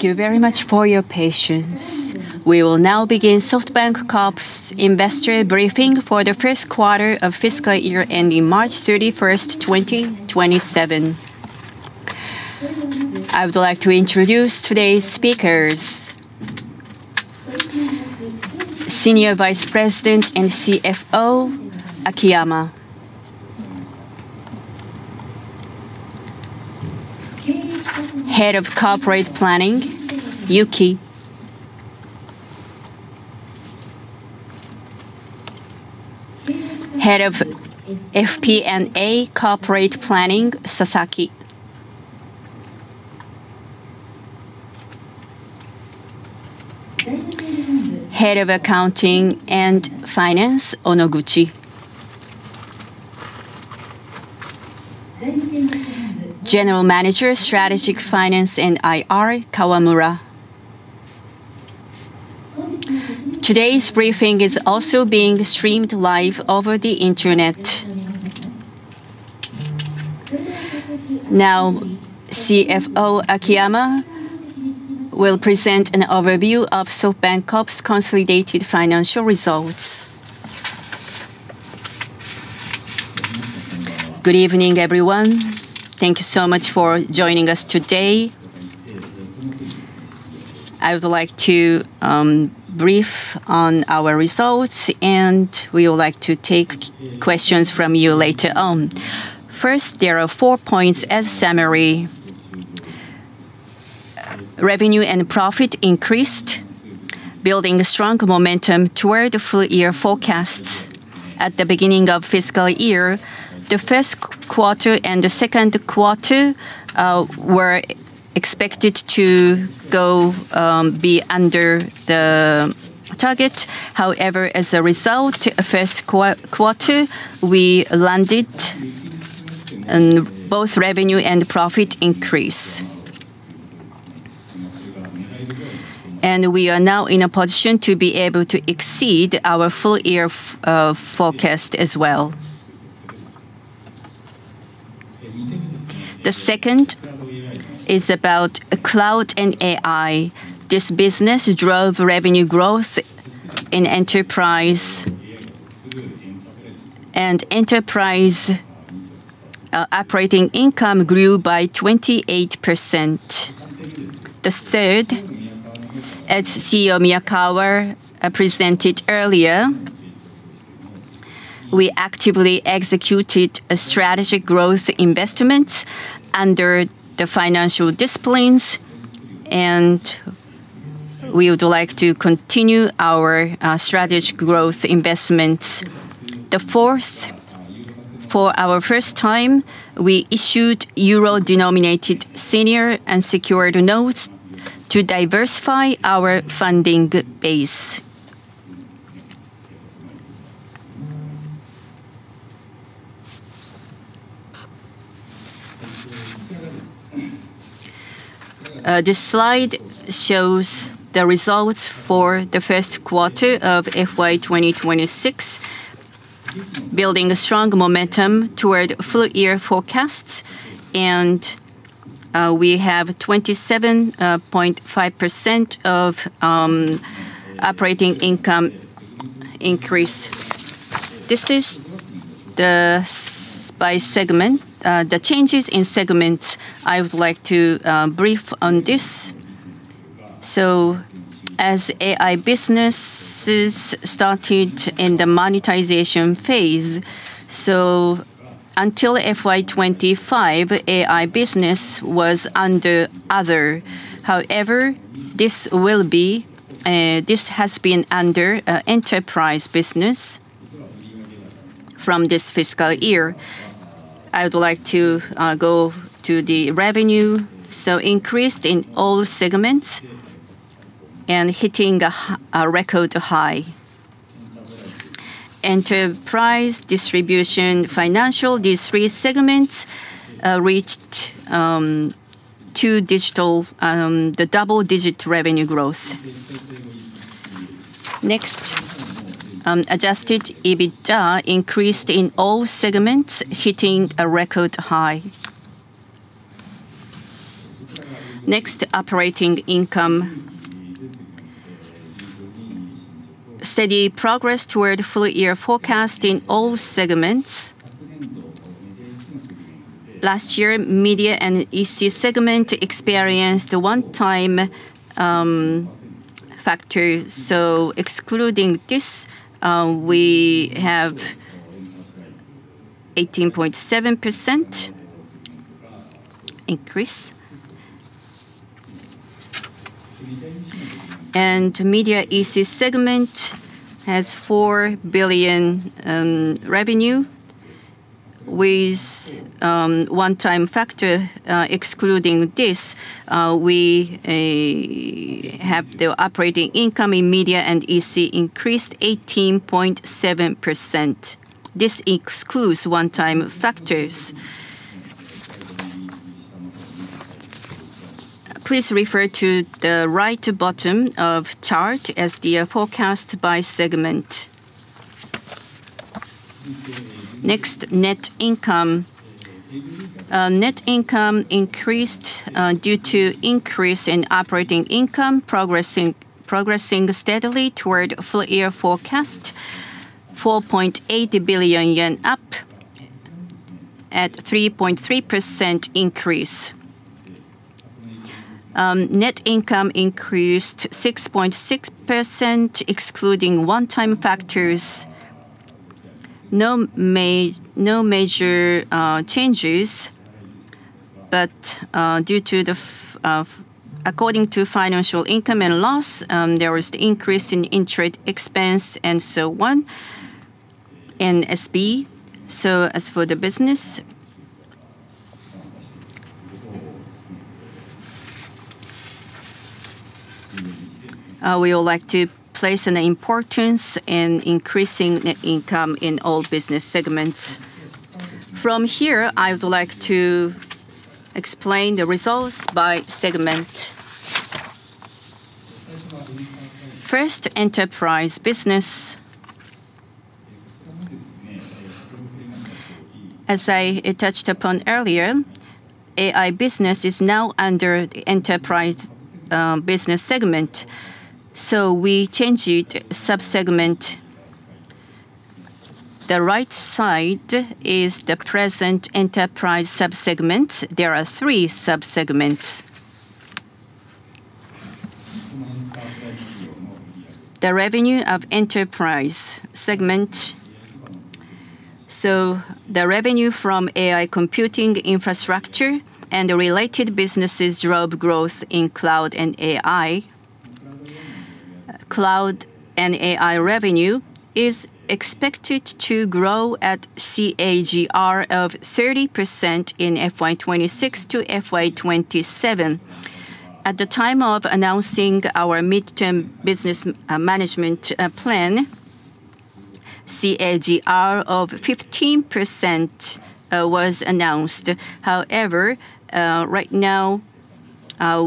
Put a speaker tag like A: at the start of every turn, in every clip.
A: Thank you very much for your patience. We will now begin SoftBank Corp.'s investor briefing for the first quarter of fiscal year ending March 31st, 2027. I would like to introduce today's speakers. Senior Vice President and CFO, Osamu Akiyama. Head of Corporate Planning, Yuki. Head of FP&A Corporate Planning, Sasaki. Head of Accounting and Finance, Onoguchi. General Manager, Strategic Finance and IR, Kawamura. Today's briefing is also being streamed live over the internet. CFO Akiyama will present an overview of SoftBank Corp.'s consolidated financial results.
B: Good evening, everyone. Thank you so much for joining us today. I would like to brief on our results. We would like to take questions from you later on. First, there are four points as summary. Revenue and profit increased, building strong momentum toward the full-year forecasts. At the beginning of fiscal year, the first quarter and the second quarter were expected to be under the target. However, as a result, first quarter, we landed in both revenue and profit increase. We are now in a position to be able to exceed our full-year forecast as well. The second is about cloud and AI. This business drove revenue growth in Enterprise. Enterprise operating income grew by 28%. The third, as CEO Miyakawa presented earlier, we actively executed a strategic growth investment under the financial disciplines. We would like to continue our strategic growth investments. The fourth, for our first time, we issued euro-denominated senior and secured notes to diversify our funding base. This slide shows the results for the first quarter of FY 2026, building a strong momentum toward full-year forecasts. We have 27.5% of operating income increase. This is by segment. The changes in segment, I would like to brief on this. As AI businesses started in the monetization phase. Until FY 2025, AI business was under other. However, this has been under Enterprise business from this fiscal year. I would like to go to the revenue. Increased in all segments and hitting a record high. Enterprise, Distribution, Financial, these three segments, reached the double-digit revenue growth. Next. Adjusted EBITDA increased in all segments, hitting a record high. Next, operating income. Steady progress toward full-year forecast in all segments. Last year, Media & EC segment experienced a one-time factor. Excluding this, we have 18.7% increase. Media & EC segment has 4 billion in revenue with one-time factor. Excluding this, we have the operating income in Media & EC increased 18.7%. This excludes one-time factors. Please refer to the right bottom of chart as the forecast by segment. Next, net income. Net income increased due to increase in operating income progressing steadily toward full-year forecast, 4.8 billion yen up at 3.3% increase. Net income increased 6.6%, excluding one-time factors. No major changes, but according to financial income and loss, there was the increase in interest expense and so on in SB. As for the business, we would like to place an importance in increasing net income in all business segments. From here, I would like to explain the results by segment. First, Enterprise business. As I touched upon earlier, AI business is now under the Enterprise business segment, so we changed sub-segment. The right side is the present Enterprise sub-segments. There are three sub-segments. The revenue of Enterprise segment. The revenue from AI computing infrastructure and the related businesses drove growth in Cloud and AI. Cloud and AI revenue is expected to grow at CAGR of 30% in FY 2026 to FY 2027. At the time of announcing our midterm business management plan, CAGR of 15% was announced. However, right now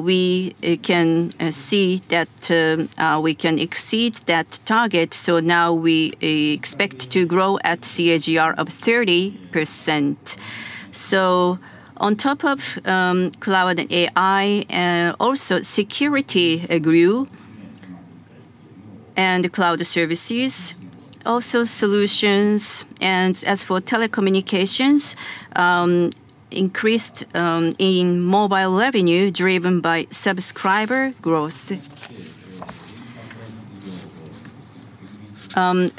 B: we can see that we can exceed that target, now we expect to grow at CAGR of 30%. On top of Cloud and AI, security grew and cloud services. Solutions. As for telecommunications, increased in mobile revenue driven by subscriber growth.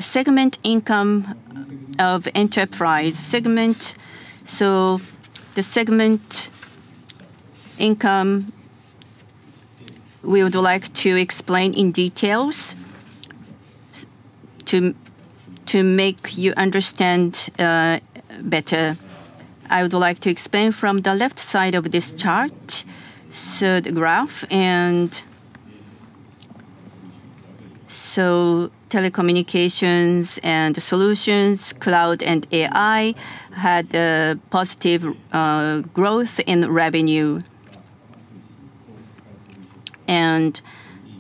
B: Segment income of Enterprise segment. The segment income, we would like to explain in detail to make you understand better. I would like to explain from the left side of this chart. The graph. Telecommunications and solutions, Cloud and AI had a positive growth in revenue.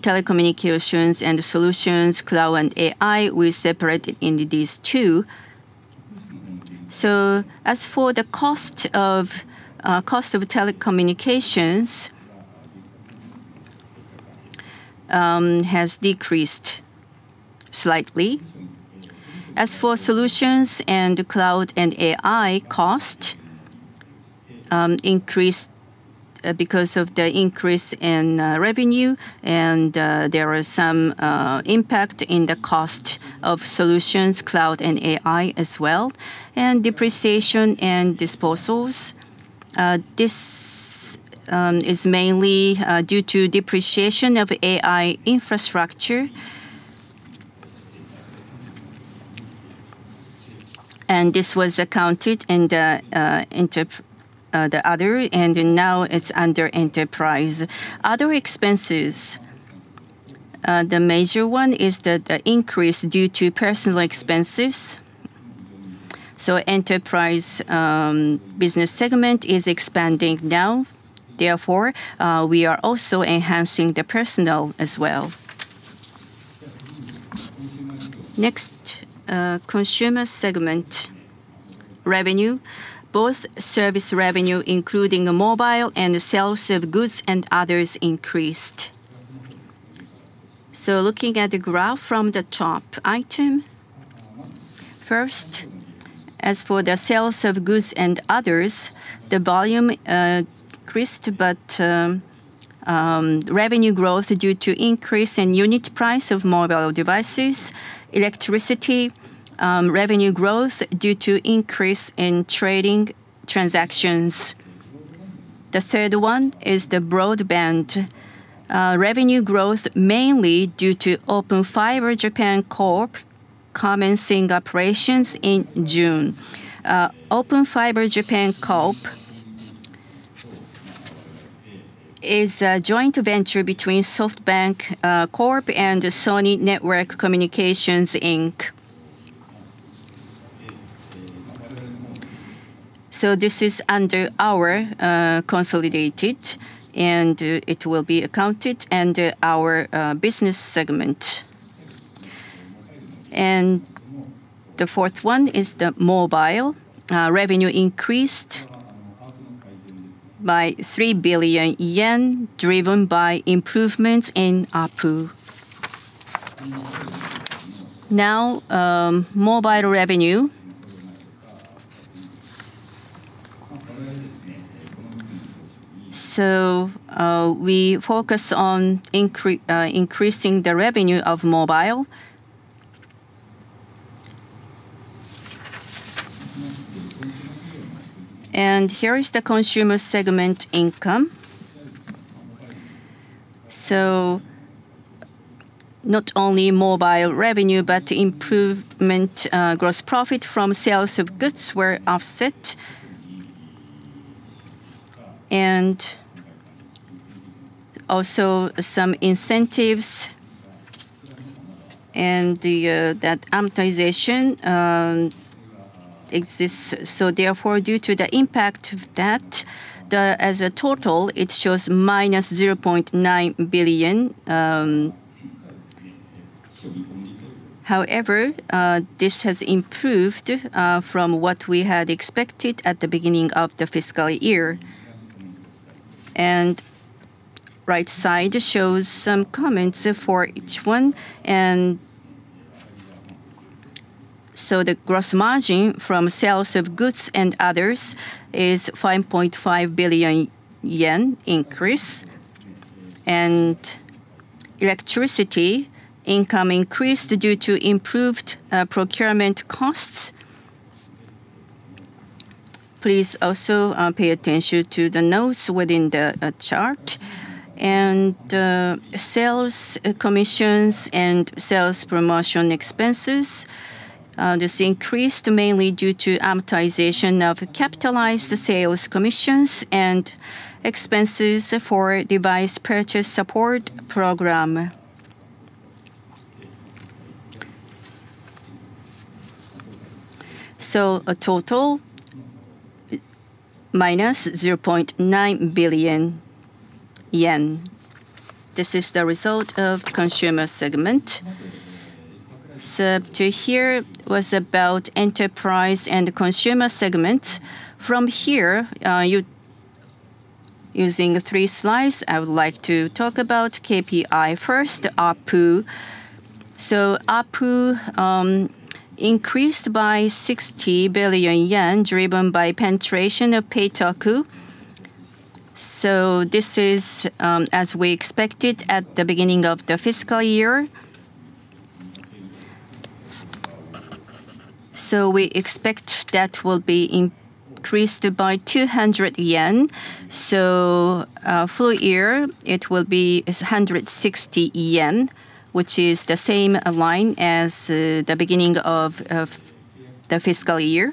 B: Telecommunications and solutions, Cloud and AI, we separated into these two. As for the cost of telecommunications has decreased slightly. As for solutions and Cloud and AI cost, increased because of the increase in revenue and there was some impact in the cost of solutions, Cloud and AI as well. Depreciation and disposals. This is mainly due to depreciation of AI infrastructure. This was accounted in the other, and now it is under Enterprise. Other expenses. The major one is the increase due to personal expenses. Enterprise business segment is expanding now. Therefore, we are also enhancing the personnel as well. Next, Consumer segment revenue. Both service revenue, including mobile and sales of goods and others increased. Looking at the graph from the top item. First, as for sales of goods and others, the volume increased, revenue growth due to increase in unit price of mobile devices. Electricity revenue growth due to increase in trading transactions. The third one is the broadband revenue growth, mainly due to Open Fiber Japan Corp. commencing operations in June. Open Fiber Japan Corp. is a joint venture between SoftBank Corp. and Sony Network Communications Inc. This is under our consolidated, and it will be accounted under our business segment. The fourth one is mobile. Revenue increased by 3 billion yen, driven by improvements in ARPU. Mobile revenue. We focus on increasing the revenue of mobile. Here is the Consumer segment income. Not only mobile revenue, improvement. Gross profit from sales of goods was offset, also some incentives and amortization exists. Therefore, due to the impact of that, as a total, it shows JPY-0.9 billion. This has improved from what we had expected at the beginning of the fiscal year. Right side shows some comments for each one. The gross margin from sales of goods and others is 5.5 billion yen increase. Electricity income increased due to improved procurement costs. Please also pay attention to the notes within the chart. Sales commissions and sales promotion expenses, this increased mainly due to amortization of capitalized sales commissions and expenses for device purchase support program. A total JPY-0.9 billion. This is the result of Consumer segment. To here was about Enterprise and Consumer segment. From here, using three slides, I would like to talk about KPI. First, ARPU. ARPU increased by 60 billion yen, driven by penetration of Paytoku. This is as we expected at the beginning of the fiscal year. We expect that will be increased by 200 billion yen. Full-year, it will be 160 billion yen, which is the same line as the beginning of the fiscal year.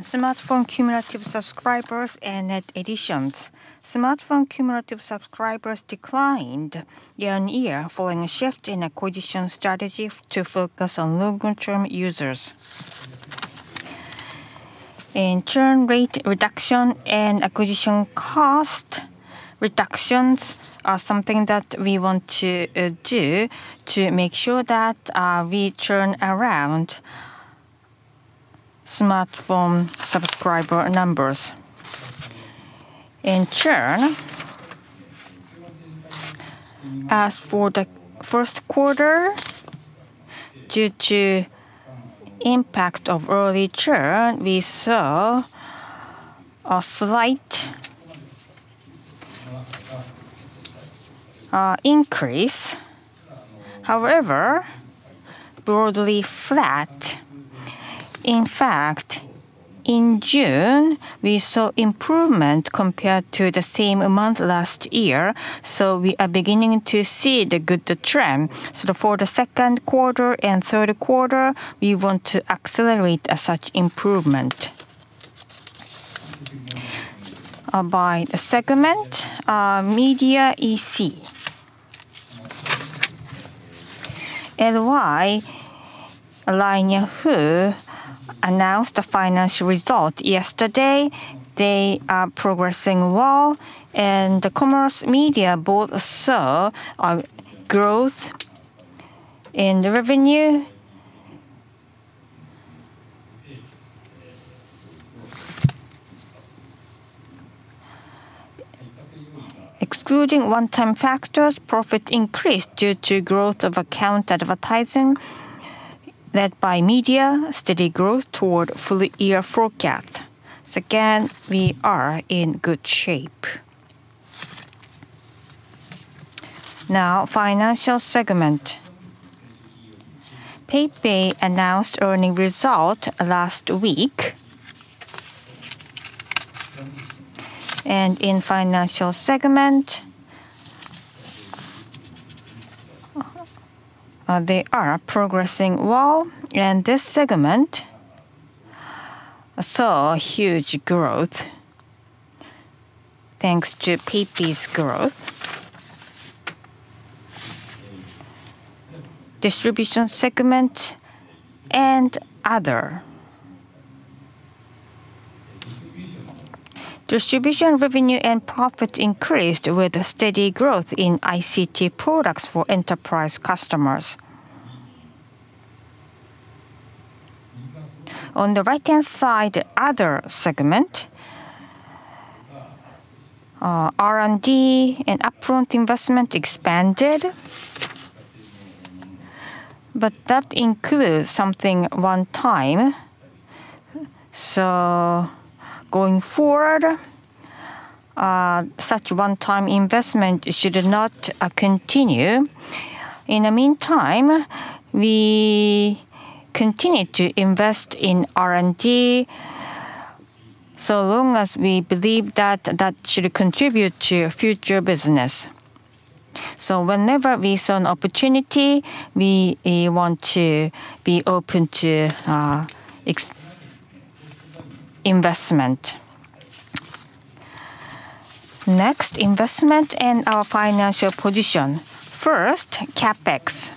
B: Smartphone cumulative subscribers and net additions. Smartphone cumulative subscribers declined year-on-year, following a shift in acquisition strategy to focus on long-term users. Churn rate reduction and acquisition cost reductions are something that we want to do to make sure that we turn around smartphone subscriber numbers. Churn, as for the first quarter, due to impact of early churn, we saw a slight increase, however, broadly flat. In fact, in June, we saw improvement compared to the same month last year. We are beginning to see the good trend. For the second quarter and third quarter, we want to accelerate such improvement. By segment, Media & EC. LY, LINE Yahoo, announced the financial result yesterday. They are progressing well, Commerce & Media both saw a growth in revenue. Excluding one-time factors, profit increased due to growth of account advertising led by Media. Steady growth toward full-year forecast. Again, we are in good shape. Now, Financial segment. PayPay announced earnings result last week. In Financial segment, they are progressing well, this segment saw huge growth, thanks to PayPay's growth. Distribution segment and other. Distribution. Distribution revenue and profit increased with steady growth in ICT products for enterprise customers. On the right-hand side, other segment. R&D and upfront investment expanded, but that includes something one-time. Going forward, such a one-time investment should not continue. In the meantime, we continue to invest in R&D so long as we believe that should contribute to future business. Whenever we see an opportunity, we want to be open to investment. Next, investment and our financial position. First, CapEx.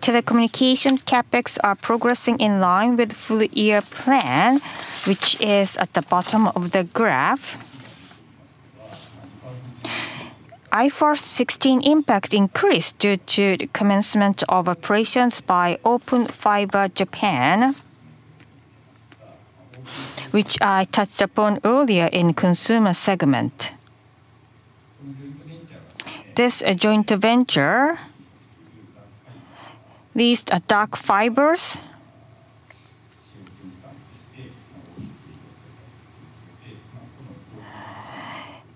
B: Telecommunications CapEx are progressing in line with full-year plan, which is at the bottom of the graph. IFRS 16 impact increased due to the commencement of operations by Open Fiber Japan, which I touched upon earlier in consumer segment. This joint venture leased dark fibers.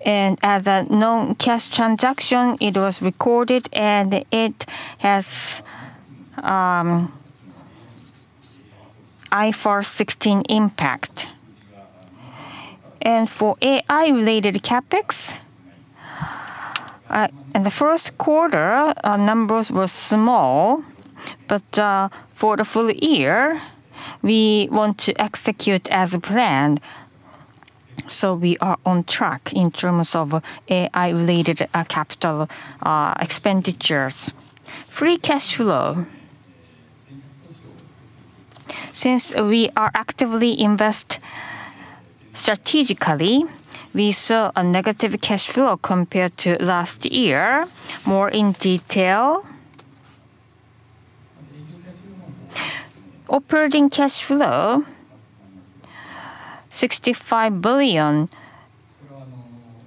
B: As a non-cash transaction, it was recorded, it has IFRS 16 impact. For AI-related CapEx, in the first quarter, our numbers were small. For the full-year, we want to execute as planned. We are on track in terms of AI-related capital expenditures. Free cash flow. Since we are actively invest strategically, we saw a negative cash flow compared to last year. More in detail. Operating cash flow, JPY 65 billion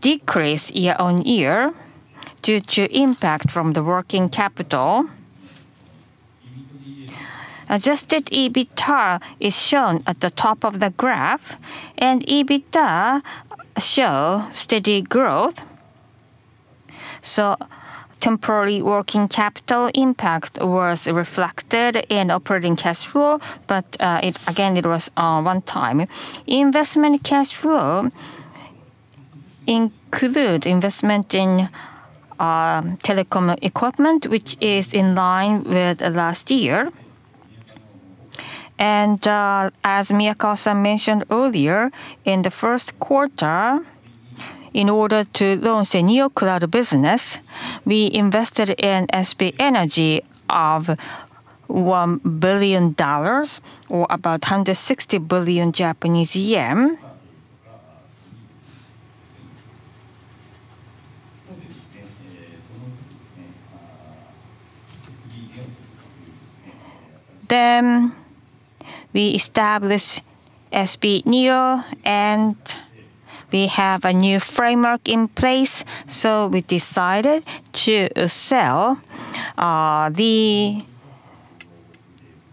B: decrease year-on-year due to impact from the working capital. Adjusted EBITDA is shown at the top of the graph, and EBITDA show steady growth. Temporary working capital impact was reflected in operating cash flow, but again, it was one-time. Investment cash flow include investment in telecom equipment, which is in line with last year. As Miyakawa-san mentioned earlier, in the first quarter, in order to launch the neocloud business, we invested in SB Energy of $1 billion or about 160 billion Japanese yen. We established SB Neo, and we have a new framework in place. We decided to sell the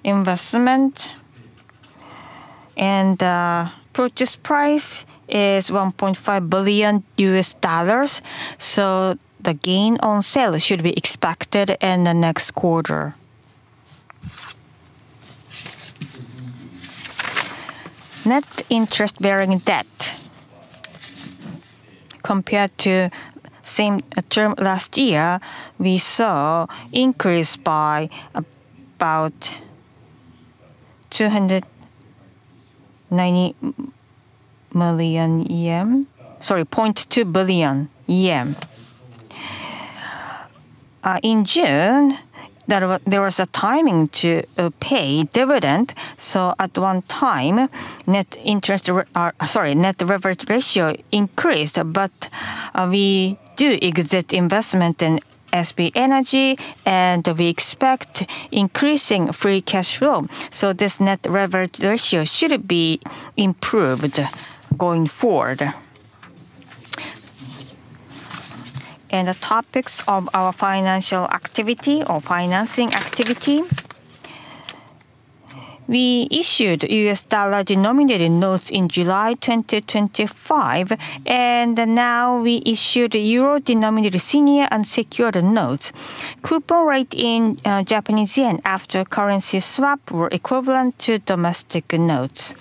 B: investment, and purchase price is $1.5 billion. The gain on sale should be expected in the next quarter. Net interest-bearing debt. Compared to same term last year, we saw increase by about 290 million yen, sorry, 0.2 billion yen. In June, there was a timing to pay dividend, so at one time, net interest, sorry, net leverage ratio increased, but we do exit investment in SB Energy, and we expect increasing free cash flow. This net leverage ratio should be improved going forward. The topics of our financial activity or financing activity. We issued US dollar-denominated notes in July 2025, and now we issued euro-denominated senior unsecured notes. Coupon rate in Japanese yen after currency swap were equivalent to domestic notes.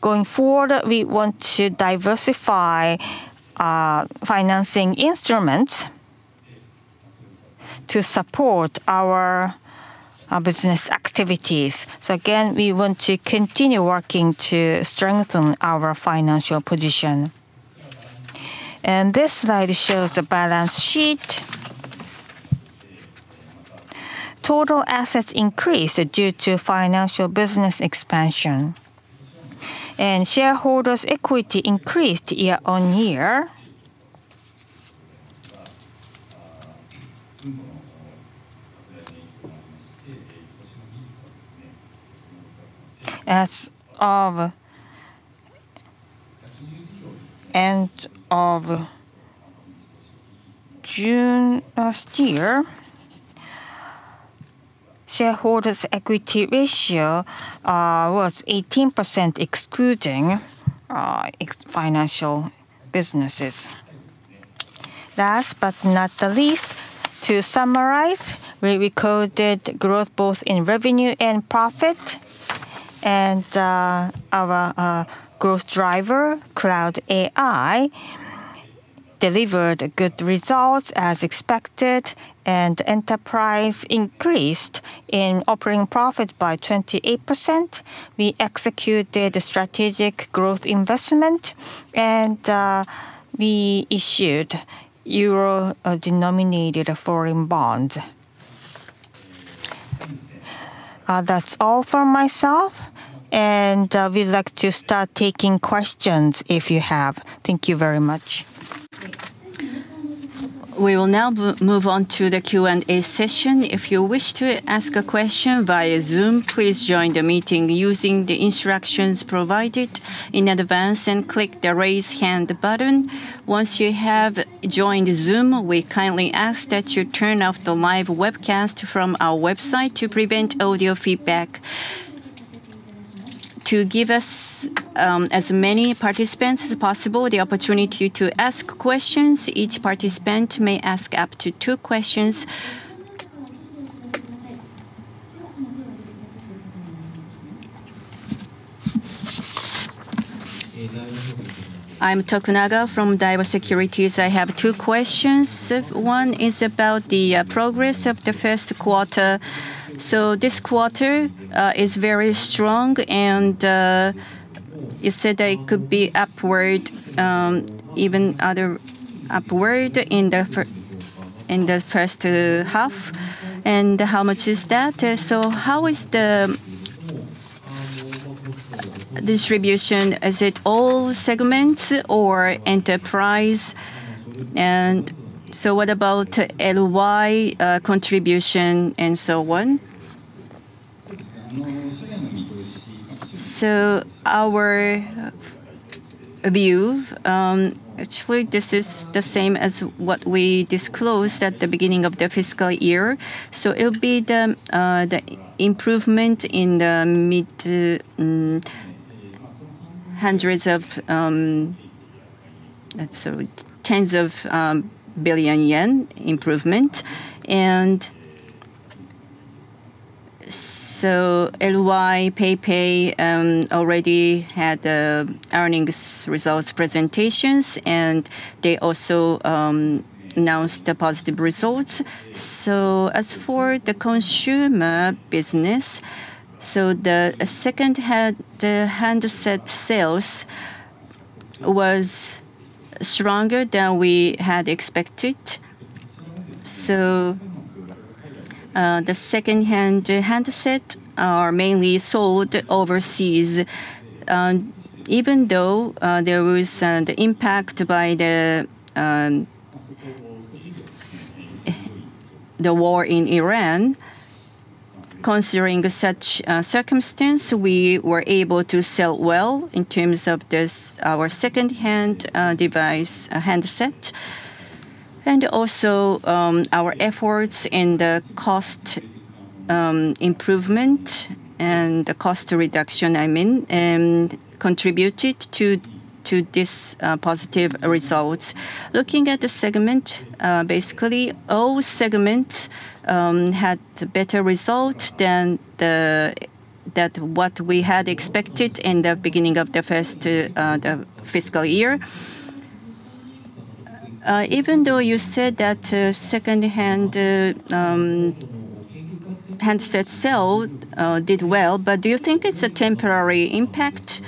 B: Going forward, we want to diversify financing instruments To support our business activities. Again, we want to continue working to strengthen our financial position. This slide shows the balance sheet. Total assets increased due to financial business expansion, and shareholders' equity increased year-on-year. As of end of June last year, shareholders' equity ratio was 18%, excluding financial businesses. Last but not the least, to summarize, we recorded growth both in revenue and profit. Our growth driver, Cloud AI, delivered good results as expected, and enterprise increased in operating profit by 28%. We executed a strategic growth investment. We issued EUR-denominated foreign bonds. That's all from myself, and we'd like to start taking questions if you have. Thank you very much. We will now move on to the Q&A session.
A: If you wish to ask a question via Zoom, please join the meeting using the instructions provided in advance and click the Raise Hand button. Once you have joined Zoom, we kindly ask that you turn off the live webcast from our website to prevent audio feedback. To give us as many participants as possible the opportunity to ask questions, each participant may ask up to two questions.
C: I'm Tokunaga from Daiwa Securities. I have two questions. One is about the progress of the first quarter. This quarter is very strong, and you said that it could be upward, even other upward in the first half. How much is that? How is the distribution? Is it all segments or enterprise? What about LY contribution and so on?
B: Our view, actually this is the same as what we disclosed at the beginning of the fiscal year. It'll be the improvement in the mid-tens of billion yen improvement. LY PayPay already had the earnings results presentations, and they also announced the positive results. As for the consumer business, the second-hand handset sales was stronger than we had expected. The secondhand handset are mainly sold overseas. Even though there was the impact by the war in Iran. Considering such circumstance, we were able to sell well in terms of our secondhand device handset. Our efforts in the cost improvement and the cost reduction, I mean, contributed to this positive result. Looking at the segment, basically all segments had better result than what we had expected in the beginning of the first fiscal year.
C: Even though you said that secondhand handset sale did well, do you think it's a temporary impact?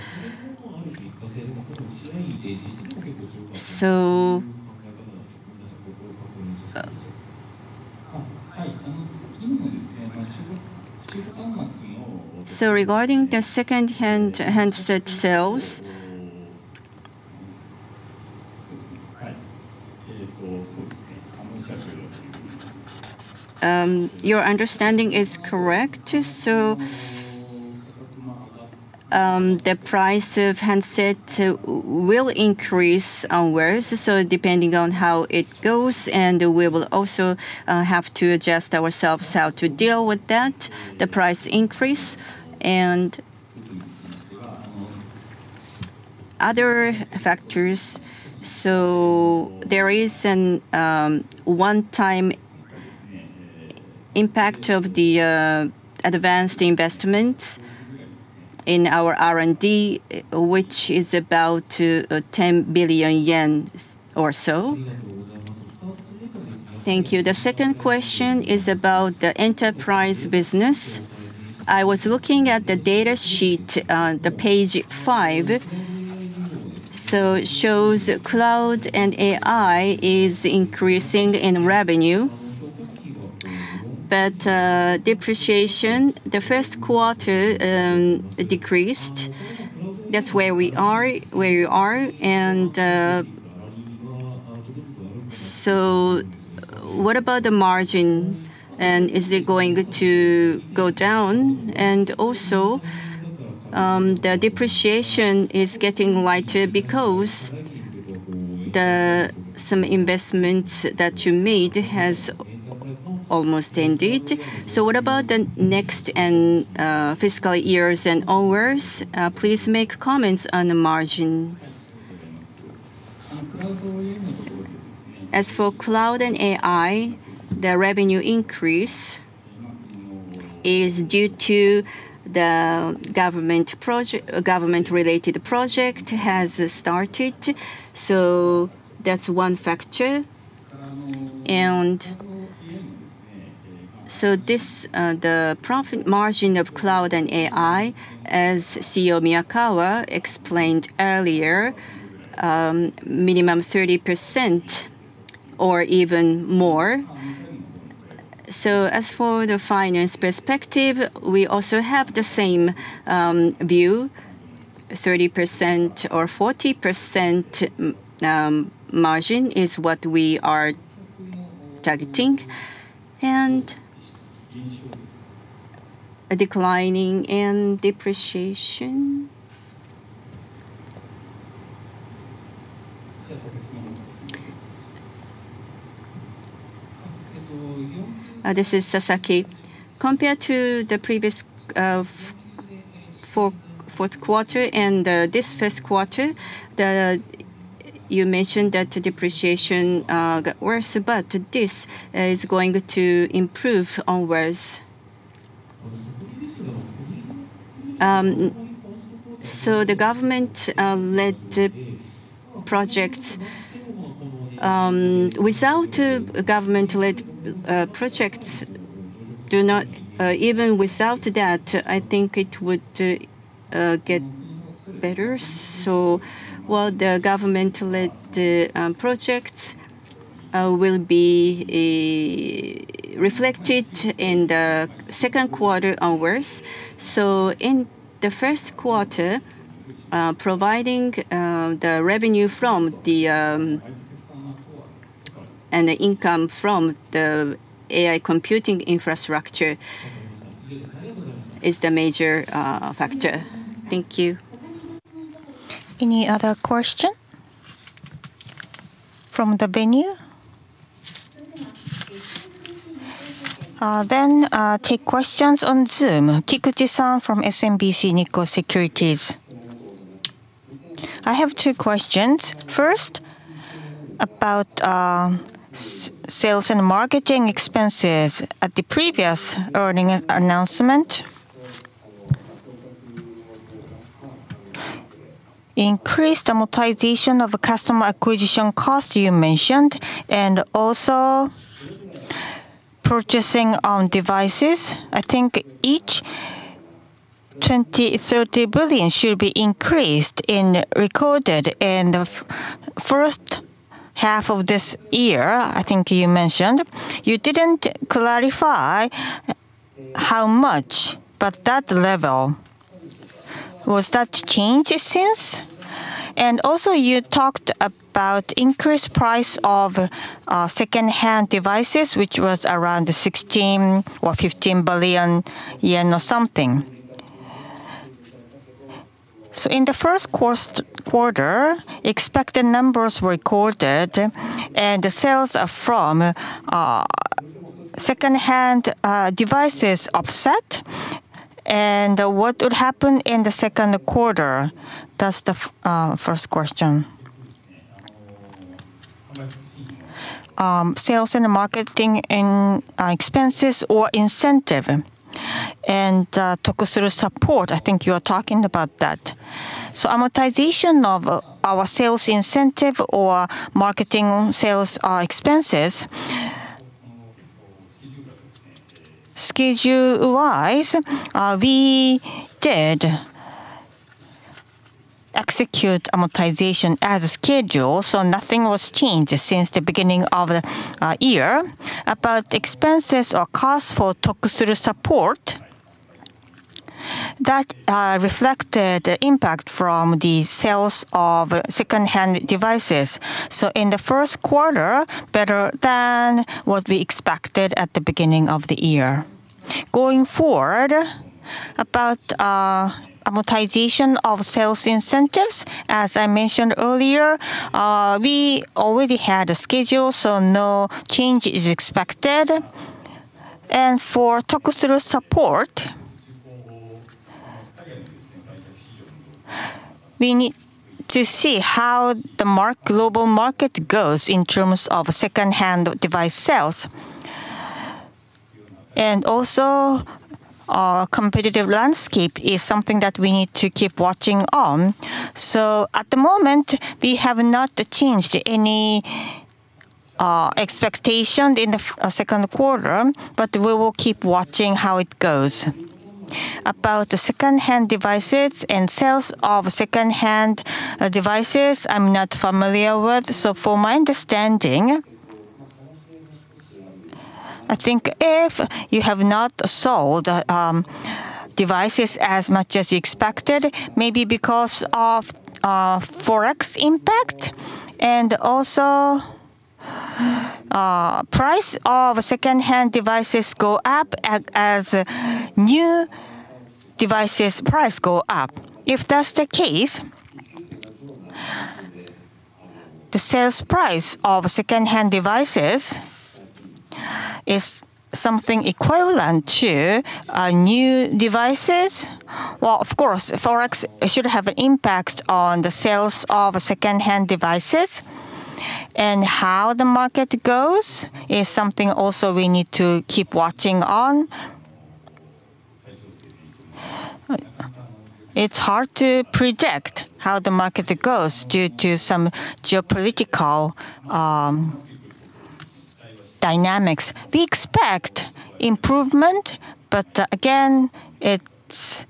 B: Regarding the secondhand handset sales, your understanding is correct. The price of handset will increase onwards, depending on how it goes, and we will also have to adjust ourselves how to deal with that, the price increase and other factors. There is an one-time impact of the advanced investments In our R&D, which is about 10 billion yen or so.
C: Thank you. The second question is about the Enterprise business. I was looking at the data sheet on page five. It shows cloud and AI is increasing in revenue. Depreciation, the first quarter decreased. That's where we are. What about the margin? Is it going to go down? The depreciation is getting lighter because some investments that you made has almost ended. What about the next fiscal years and onwards? Please make comments on the margin.
B: As for cloud and AI, the revenue increase is due to the government-related project has started. That's one factor. The profit margin of cloud and AI, as CEO Miyakawa explained earlier, minimum 30% or even more. As for the finance perspective, we also have the same view, 30% or 40% margin is what we are targeting. Declining in depreciation.
D: This is Sasaki. Compared to the previous fourth quarter and this first quarter, you mentioned that the depreciation got worse, but this is going to improve onwards. The government-led projects. Even without that, I think it would get better. While the government-led projects will be reflected in the second quarter onwards. In the first quarter, providing the revenue from the AI computing infrastructure is the major factor. Thank you.
A: Any other question from the venue? Take questions on Zoom.
E: Kikuchi-san from SMBC Nikko Securities. I have two questions. First, about sales and marketing expenses. At the previous earning announcement, increased amortization of customer acquisition cost you mentioned, and also purchasing on devices. I think each 20 billion-30 billion should be increased in recorded in the first half of this year, I think you mentioned. You didn't clarify how much, but that level. Was that changed since? Also you talked about increased price of secondhand devices, which was around 16 billion or 15 billion yen or something. In the first quarter, expected numbers were recorded and the sales are from secondhand devices offset. What would happen in the second quarter? That's the first question.
B: Sales and marketing expenses or incentive and Tokusuru Support. I think you are talking about that. Amortization of our sales incentive or marketing sales expenses. Schedule-wise, we did execute amortization as scheduled, so nothing was changed since the beginning of the year. About expenses or cost for Tokusuru Support, that reflected impact from the sales of secondhand devices. In the first quarter, better than what we expected at the beginning of the year. Going forward, about amortization of sales incentives, as I mentioned earlier, we already had a schedule, so no change is expected. For Tokusuru Support, we need to see how the global market goes in terms of secondhand device sales. Also, our competitive landscape is something that we need to keep watching on. At the moment, we have not changed any expectation in the second quarter, but we will keep watching how it goes. About the secondhand devices and sales of secondhand devices, I'm not familiar with. For my understanding, I think if you have not sold devices as much as you expected, maybe because of Forex impact, and also price of secondhand devices go up as new devices price go up. If that's the case, the sales price of secondhand devices is something equivalent to new devices. Of course, Forex should have an impact on the sales of secondhand devices, and how the market goes is something also we need to keep watching on. It's hard to predict how the market goes due to some geopolitical dynamics. We expect improvement, but again, it's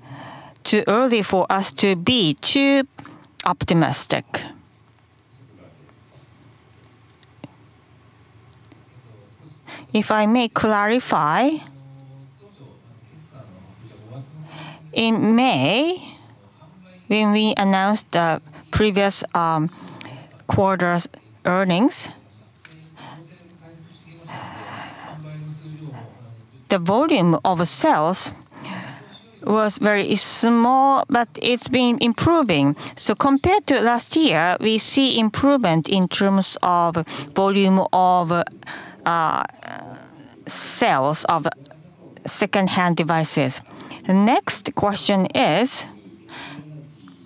B: too early for us to be too optimistic. If I may clarify, in May, when we announced the previous quarter's earnings, the volume of sales was very small, but it's been improving. Compared to last year, we see improvement in terms of volume of sales of secondhand devices.
E: The next question is,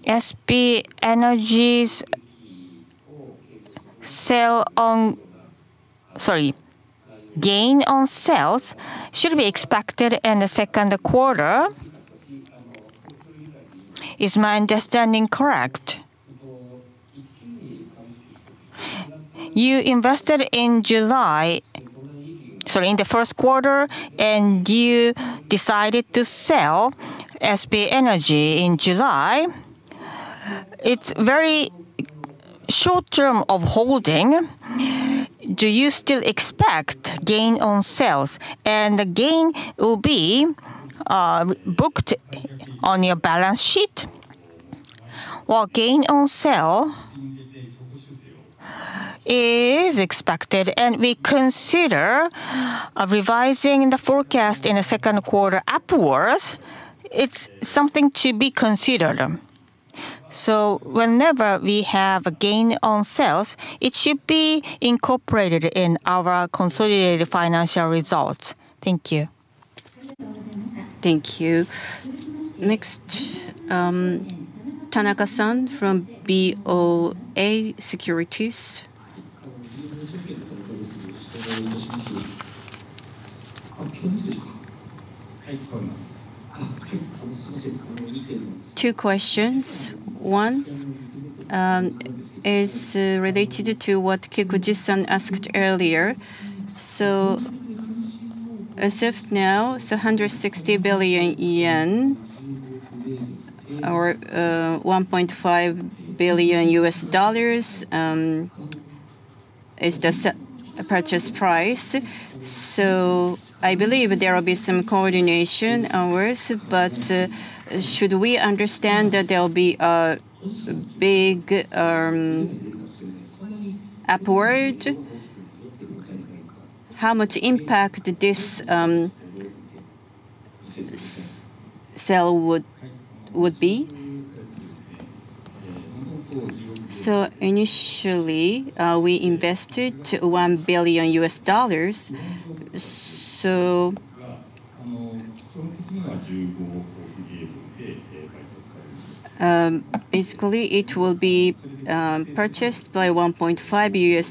E: SB Energy's gain on sales should be expected in the second quarter. Is my understanding correct? You invested in July, sorry, in the first quarter, and you decided to sell SB Energy in July. It's very short-term of holding. Do you still expect gain on sales, and the gain will be booked on your balance sheet?
B: Gain on sale is expected, and we consider revising the forecast in the second quarter upwards. It's something to be considered. Whenever we have gain on sales, it should be incorporated in our consolidated financial results. Thank you.
A: Thank you. Next, Tanaka-san from BoA Securities.
F: Two questions. One is related to what Kikuchi-san asked earlier. As of now, 160 billion yen, or $1.5 billion is the purchase price. I believe there will be some coordination onwards, but should we understand that there'll be a big upward? How much impact this sale would be?
B: Initially, we invested $1 billion. Basically it will be purchased by $1.5 billion,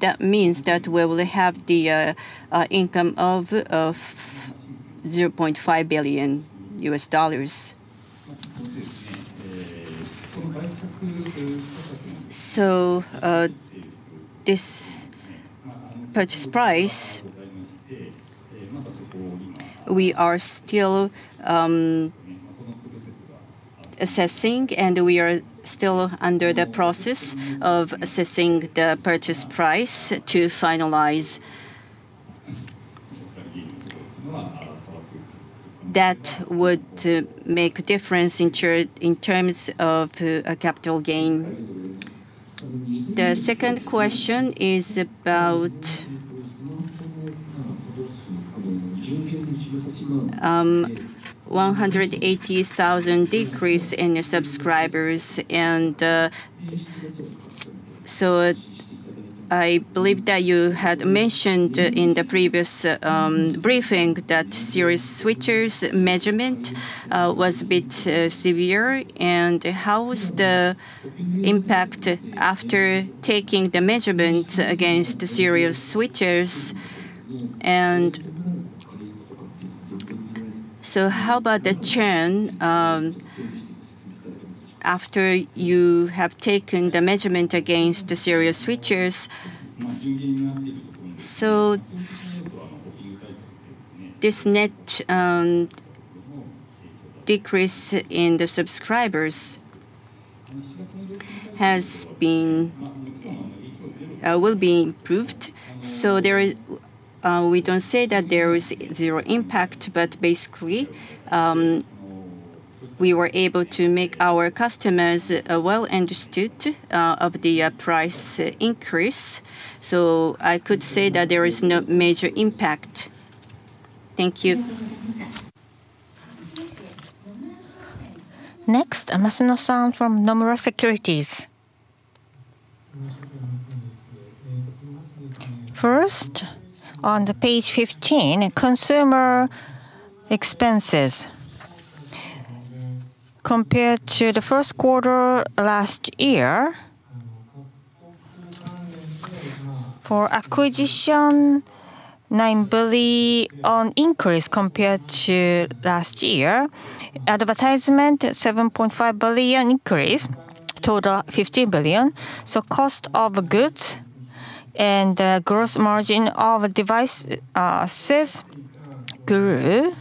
B: that means that we will have the income of $0.5 billion. This purchase price, we are still assessing, and we are still under the process of assessing the purchase price to finalize. That would make difference in terms of a capital gain.
F: The second question is about 180,000 decrease in your subscribers. I believe that you had mentioned in the previous briefing that serious switchers measurement was a bit severe. How is the impact after taking the measurement against the serious switchers? How about the churn after you have taken the measurement against the serious switchers?
B: This net decrease in the subscribers will be improved. We don't say that there is zero impact, but basically, we were able to make our customers well understood of the price increase. I could say that there is no major impact.
F: Thank you.
A: Next, Masano-san from Nomura Securities.
G: First, on page 15, consumer expenses. Compared to the first quarter last year, for acquisition, 9 billion increase compared to last year. Advertisement, 7.5 billion increase, total 15 billion. Cost of goods and gross margin of devices grew.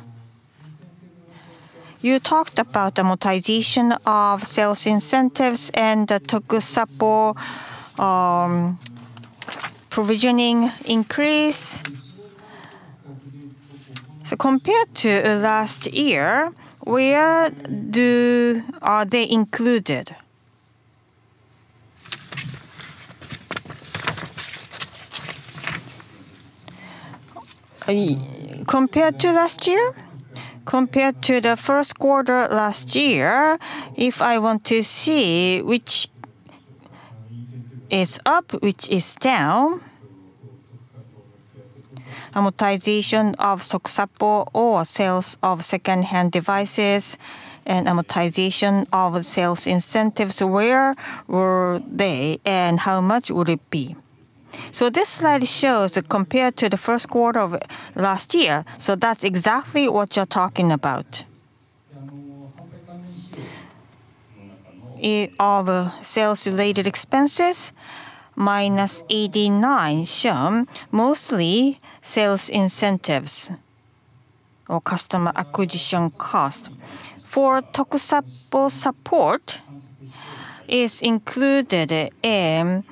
G: You talked about amortization of sales incentives and the Tokusapo provisioning increase. Compared to last year, where are they included?
B: Compared to last year?
G: Compared to the first quarter last year, if I want to see which is up, which is down. Amortization of Tokusapo or sales of secondhand devices and amortization of sales incentives, where were they and how much would it be?
B: This slide shows that compared to the first quarter of last year, that's exactly what you're talking about. Of sales-related expenses, JPY-89 billion, mostly sales incentives or customer acquisition cost. For Tokusapo support, it's included in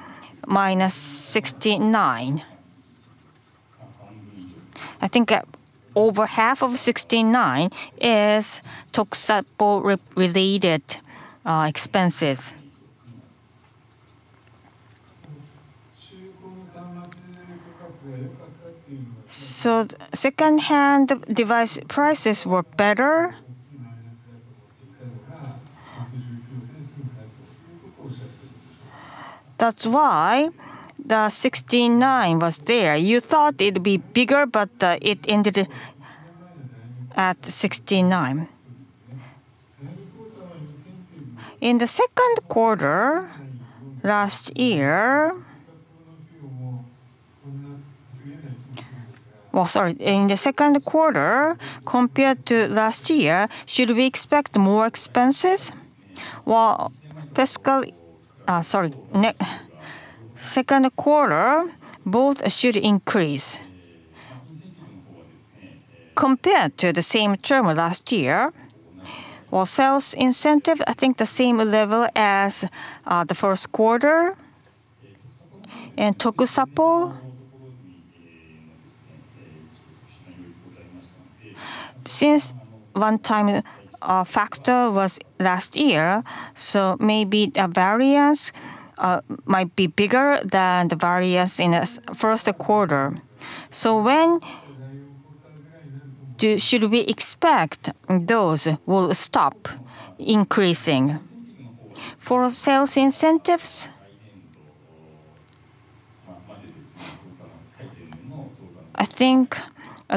B: JPY-69 billion. I think over half of 69 billion is Tokusapo-related expenses. Secondhand device prices were better. That's why the 69 billion was there. You thought it'd be bigger, but it ended at 69 billion.
G: In the second quarter last year.
B: Oh, sorry.
G: In the second quarter compared to last year, should we expect more expenses?
B: Second quarter, both should increase. Compared to the same term last year, while sales incentive, I think the same level as the first quarter. Tokusapo, since one-time factor was last year, maybe the variance might be bigger than the variance in the first quarter.
G: When should we expect those will stop increasing?
B: For sales incentives, I think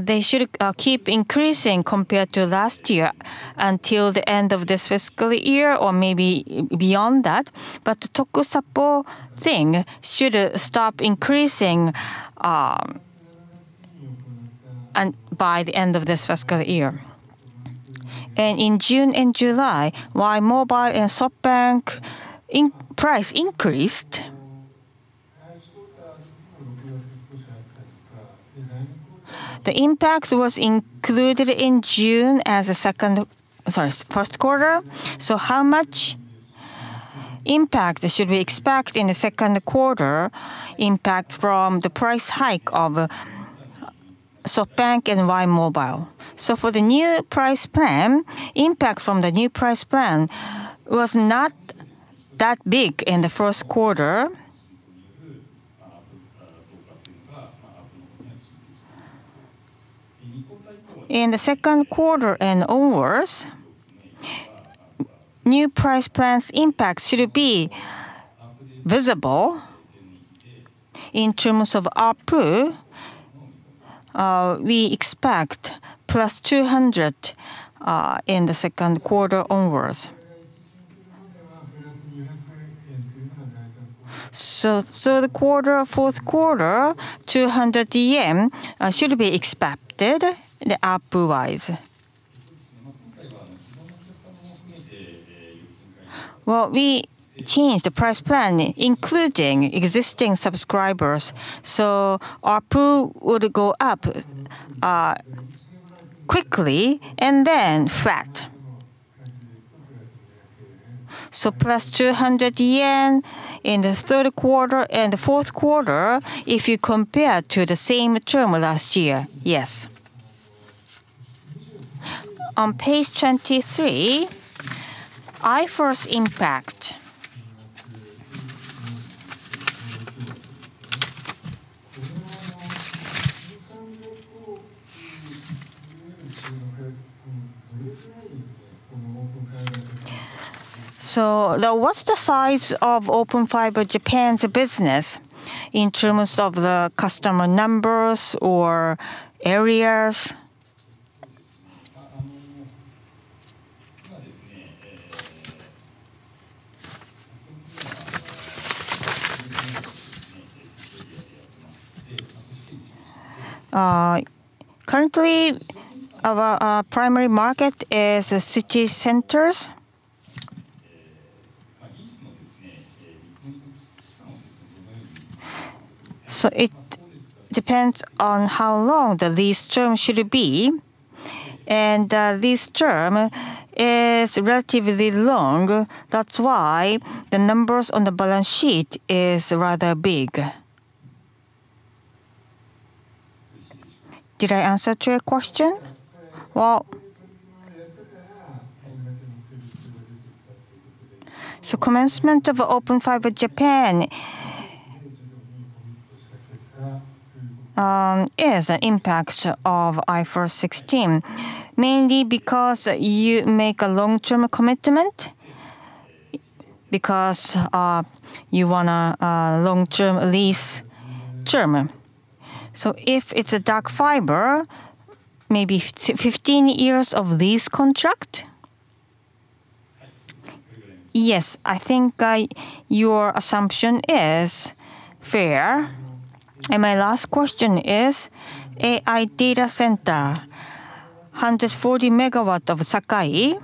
B: they should keep increasing compared to last year until the end of this fiscal year or maybe beyond that. The Tokusapo thing should stop increasing by the end of this fiscal year.
G: In June and July, while Mobile and SoftBank price increased, the impact was included in June as the first quarter. How much impact should we expect in the second quarter, impact from the price hike of SoftBank and LINE Mobile?
B: For the new price plan, impact from the new price plan was not that big in the first quarter. In the second quarter and onwards, new price plans impact should be visible. In terms of ARPU, we expect +200 in the second quarter onwards. Third quarter, fourth quarter, 200 billion yen should be expected, the ARPU-wise. We changed the price plan, including existing subscribers, ARPU would go up quickly and then flat. +200 billion yen in the third quarter and fourth quarter if you compare to the same term last year, yes. On page 23, IFRS impact.
G: What's the size of Open Fiber Japan's business in terms of the customer numbers or areas?
B: Currently, our primary market is the city centers. It depends on how long the lease term should be, and this term is relatively long. That's why the numbers on the balance sheet is rather big. Did I answer to your question?
G: Commencement of Open Fiber Japan is an impact of IFRS 16, mainly because you make a long-term commitment, because you want a long-term lease term. If it's a dark fiber, maybe 15 years of lease contract.
B: Yes, I think your assumption is fair.
G: My last question is AI data center, 140 MW of Sakai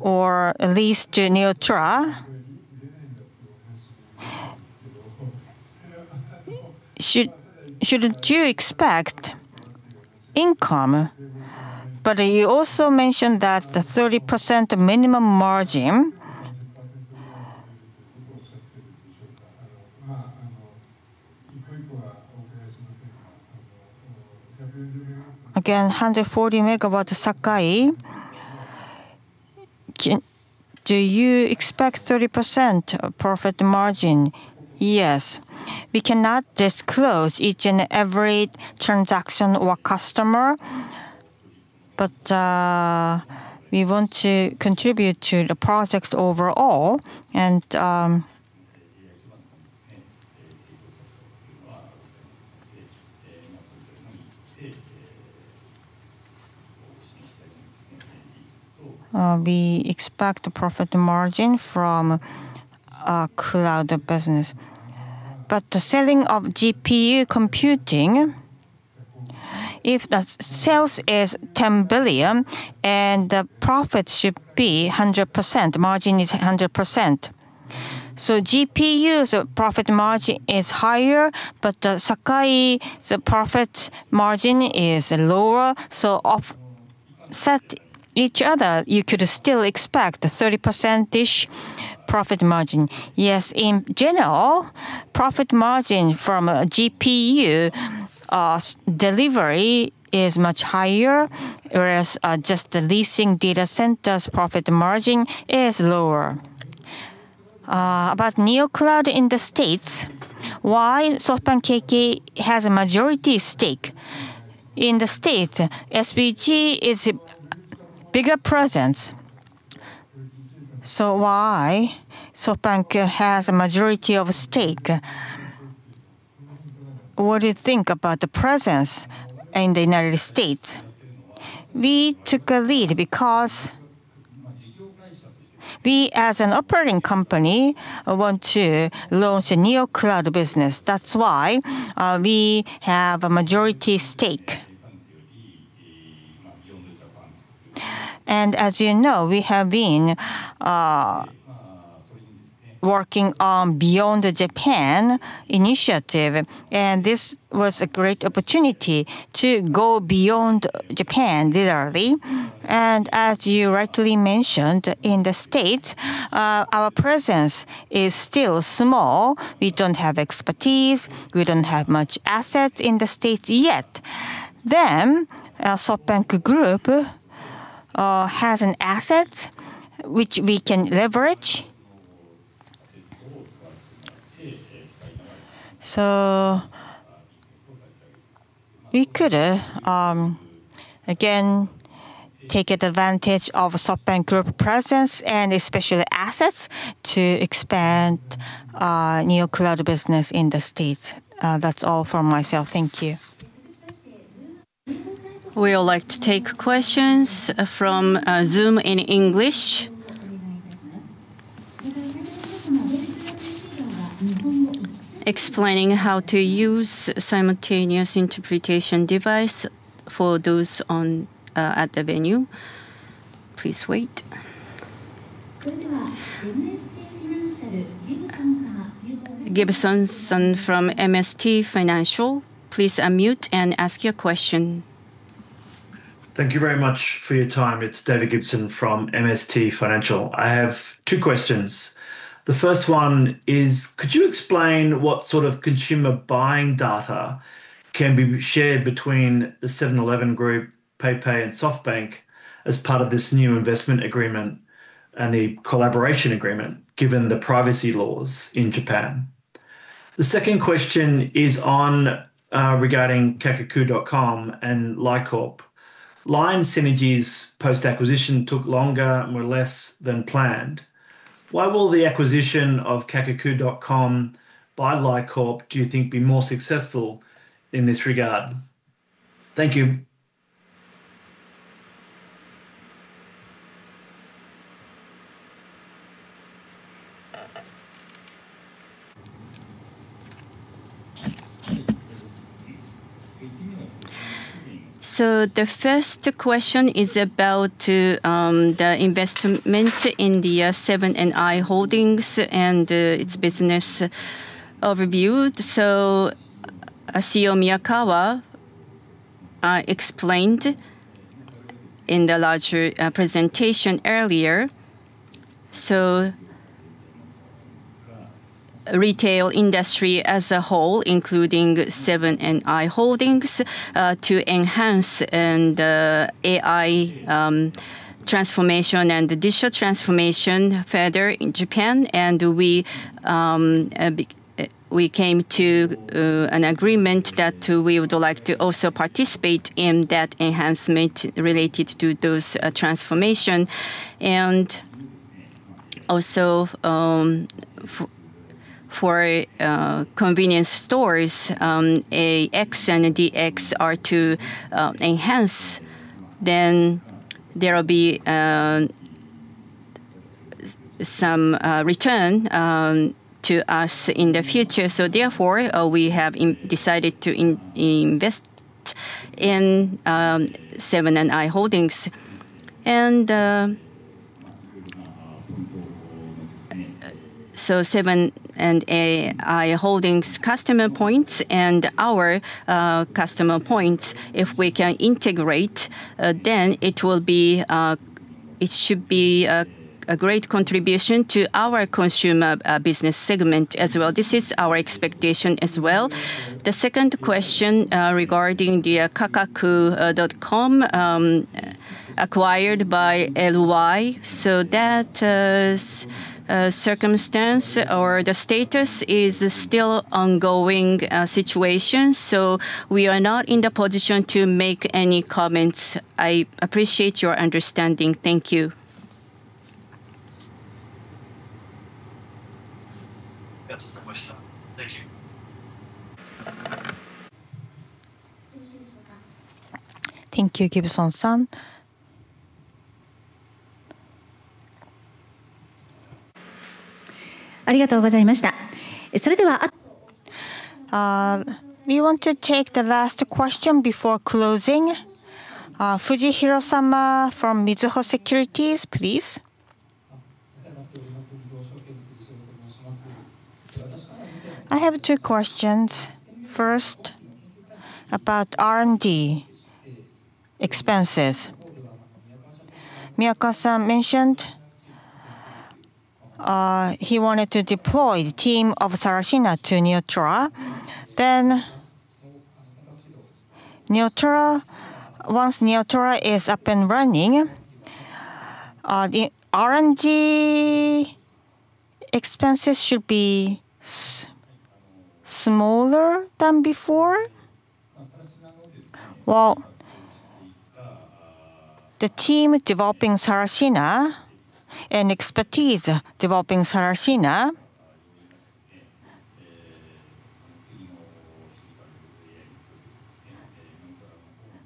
G: or lease to Noetra. Shouldn't you expect income? You also mentioned that the 30% minimum margin. Again, 140 MW of Sakai. Do you expect 30% profit margin?
B: Yes. We cannot disclose each and every transaction or customer. We want to contribute to the projects overall. We expect profit margin from cloud business. The selling of GPU computing, if the sales is 10 billion, then the profit should be 100%, margin is 100%. GPU's profit margin is higher, but the Sakai profit margin is lower. Offset each other, you could still expect 30%-ish profit margin. Yes, in general, profit margin from a GPU delivery is much higher, whereas just the leasing data centers profit margin is lower.
G: About neocloud in the States, why SoftBank KK has a majority stake?
B: In the States, SBG is a bigger presence. Why SoftBank has a majority of stake? What do you think about the presence in the United States? We took a lead because we, as an operating company, want to launch a neocloud business. That's why we have a majority stake. As you know, we have been working on Beyond Japan initiative, and this was a great opportunity to go beyond Japan literally. As you rightly mentioned, in the States, our presence is still small. We don't have expertise. We don't have much assets in the States yet. SoftBank Group has an asset which we can leverage We could, again, take advantage of SoftBank Group presence, and especially assets, to expand neocloud business in the States.
G: That's all from myself. Thank you.
A: We would like to take questions from Zoom in English. Explaining how to use simultaneous interpretation device for those at the venue. Please wait. Gibson-san from MST Financial, please unmute and ask your question.
H: Thank you very much for your time. It's David Gibson from MST Financial. I have two questions. The first one is, could you explain what sort of consumer buying data can be shared between the 7-Eleven Group, PayPay, and SoftBank as part of this new investment agreement and the collaboration agreement, given the privacy laws in Japan? The second question is regarding Kakaku.com and LY Corp.. LINE synergies post-acquisition took longer and were less than planned. Why will the acquisition of Kakaku.com by LY Corp, do you think, be more successful in this regard? Thank you.
B: The first question is about the investment in the Seven & i Holdings and its business overview. CEO Miyakawa explained in the larger presentation earlier. Retail industry as a whole, including Seven & i Holdings, to enhance AI transformation and digital transformation further in Japan. We came to an agreement that we would like to also participate in that enhancement related to those transformation. Also for convenience stores, AX and AI DX are to enhance, there will be some return to us in the future. Therefore, we have decided to invest in Seven & i Holdings. Seven & i Holdings customer points and our customer points, if we can integrate, then it should be a great contribution to our consumer business segment as well. This is our expectation as well. The second question, regarding the Kakaku.com, acquired by LY. That circumstance or the status is still ongoing situation. We are not in the position to make any comments. I appreciate your understanding. Thank you.
A: Thank you, Gibson-san. We want to take the last question before closing. [Fujihiro-sama] from Mizuho Securities, please.
I: I have two questions. First, about R&D expenses. Miyakawa-san mentioned he wanted to deploy the team of Sarashina to Noetra. Once Noetra is up and running, the R&D expenses should be smaller than before?
B: Well, the team developing Sarashina and expertise developing Sarashina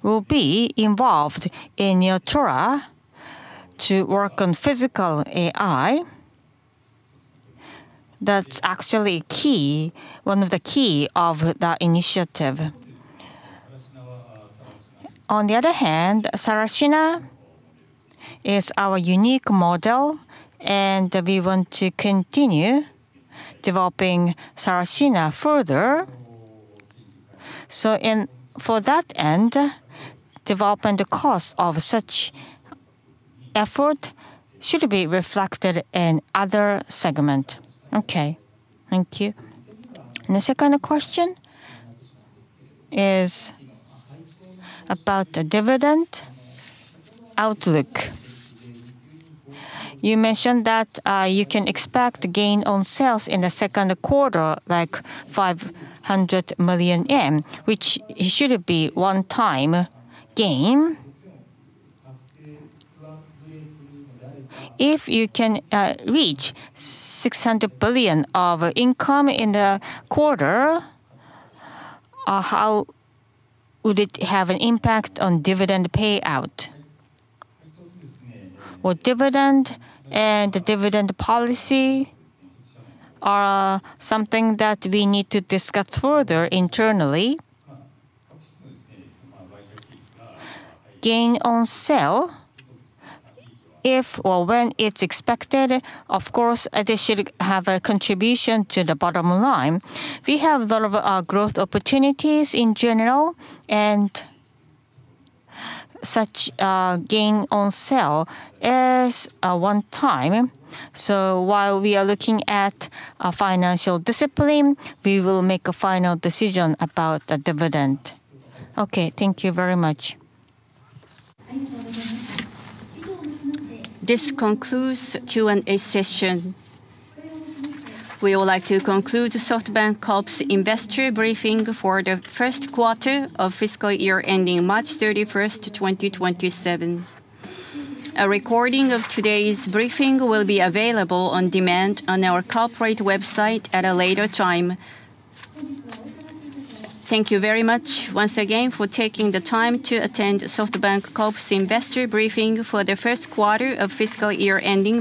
B: will be involved in Noetra to work on physical AI. That's actually one of the key of that initiative. On the other hand, Sarashina is our unique model, and we want to continue developing Sarashina further. For that end, development cost of such effort should be reflected in other segment.
I: Okay. Thank you. The second question is about the dividend outlook. You mentioned that you can expect gain on sales in the second quarter, like 500 million yen, which should be one time gain. If you can reach 600 billion of income in the quarter, how would it have an impact on dividend payout?
B: Well, dividend and dividend policy are something that we need to discuss further internally. Gain on sale, if or when it's expected, of course, this should have a contribution to the bottom line. We have a lot of growth opportunities in general, and such gain on sale is a one-time. While we are looking at financial discipline, we will make a final decision about the dividend.
I: Okay. Thank you very much.
A: This concludes the Q&A session. We would like to conclude SoftBank Corp's investor briefing for the first quarter of fiscal year ending March 31st 2027. A recording of today's briefing will be available on demand on our corporate website at a later time. Thank you very much once again for taking the time to attend SoftBank Corp's investor briefing for the first quarter of fiscal year ending